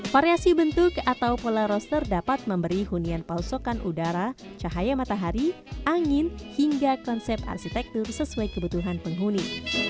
variasi bentuk atau pola roster dapat memberi hunian palsukan udara cahaya matahari angin hingga konsep arsitektur sesuai kebutuhan penghuni